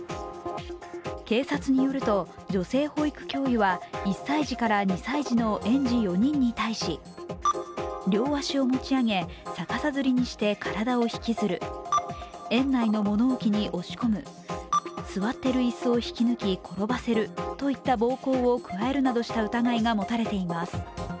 警察によると、女性保育教諭は１歳児から２歳児の園児４人に対し両足を持ち上げ逆さづりにして体を引きずる、園内の物置に押し込む、座っている椅子を引き抜き転ばせるといった暴行を加えるなどした疑いが持たれています。